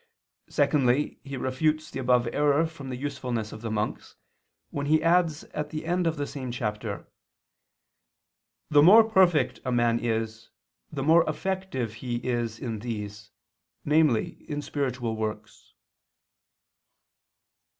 Secondly, he refutes the above error from the usefulness of the monks, when he adds at the end of the same chapter: "The more perfect a man is, the more effective is he in these, namely in spiritual works."